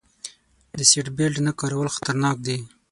د سیټ بیلټ نه کارول خطرناک دي.